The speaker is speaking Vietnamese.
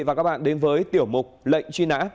và các bạn đến với tiểu mục lệnh truy nã